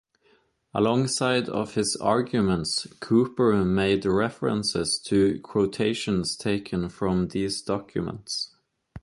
Alongside of his arguments Cooper made references to quotations taken from these documents.